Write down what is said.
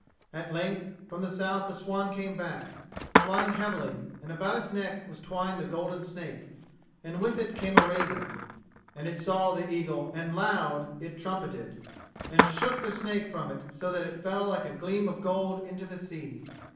At length, from the south the swan came back, flying heavily, and about its neck was twined the golden snake, and with it came a raven. And it saw the eagle and loud it trumpeted, and shook the snake from it so that it fell like a gleam of gold into the sea.